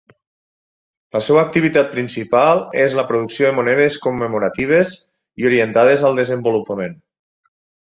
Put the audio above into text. La seva activitat principal és la producció de monedes commemoratives i orientades al desenvolupament.